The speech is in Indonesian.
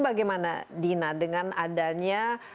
bagaimana dina dengan adanya